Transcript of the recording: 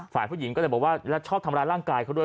ฝ่ายผู้หญิงก็เลยบอกว่าแล้วชอบทำร้ายร่างกายเขาด้วย